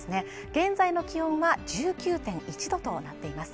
現在の気温は１９．１度となっています